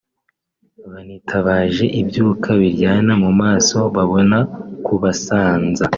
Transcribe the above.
banitabaje ibyuka biryana mu maso babona kubasanza